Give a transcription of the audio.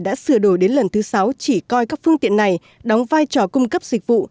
đã sửa đổi đến lần thứ sáu chỉ coi các phương tiện này đóng vai trò cung cấp dịch vụ